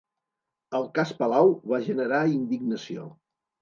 El cas Palau va generar indignació